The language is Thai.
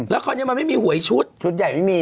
แล้วคราวนี้มันไม่มีหวยชุดชุดใหญ่ไม่มี